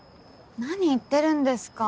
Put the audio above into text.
何言ってるんですか。